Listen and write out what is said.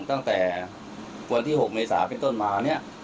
ตั้งแต่วันที่๖เมษาเป็นต้นมาเนี่ย